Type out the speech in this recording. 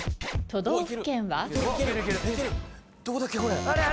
都道府県は？